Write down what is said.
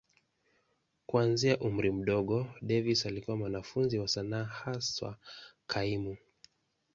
Kuanzia umri mdogo, Davis alikuwa mwanafunzi wa sanaa, haswa kaimu.